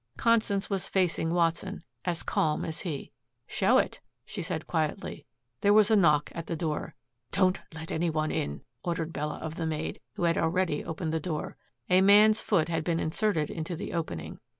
Constance was facing Watson, as calm as he. "Show it," she said quietly. There was a knock at the door. "Don't let any one in," ordered Bella of the maid, who had already opened the door. A man's foot had been inserted into the opening.